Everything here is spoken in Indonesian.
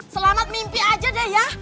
selamat mimpi aja deh ya